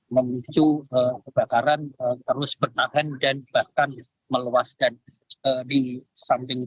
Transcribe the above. memicu kebakaran terus bertahan dan bahkan meluaskan di samping